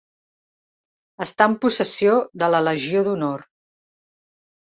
Està en possessió de la Legió d'Honor.